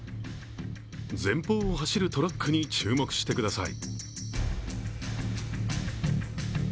前方を走るトラックに注目してください。